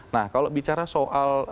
nah kalau bicara soal